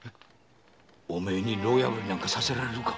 お前に牢破りなんかさせられるか。